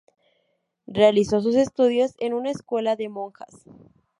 Realizó sus estudios en una escuela de monjas.